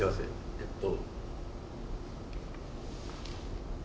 えっと。